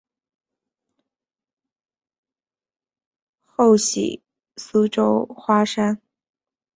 后徙苏州花山。